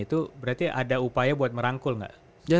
itu berarti ada upaya buat merangkul nggak